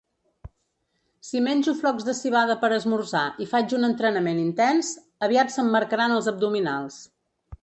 Si menjo flocs de civada per esmorzar i faig un entrenament intens, aviat se'm marcaran els abdominals.